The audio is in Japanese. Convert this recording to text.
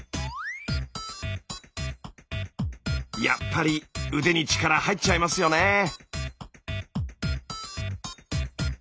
やっぱり腕に力入っちゃいますよね。